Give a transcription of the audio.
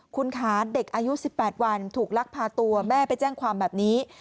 คุณคะเด็กอายุ๑๘วันถูกลักพาตัวแม่ไปแจ้งความแบบนี้